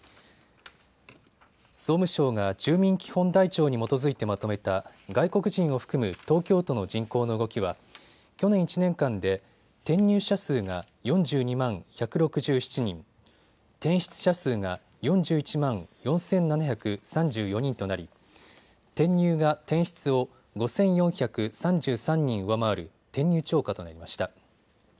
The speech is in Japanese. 総務省が住民基本台帳に基づいてまとめた外国人を含む東京都の人口の動きは去年１年間で転入者数が４２万１６７人、転出者数が４１万４７３４人となり転入が転出を５４３３人上回る転入超過となりました。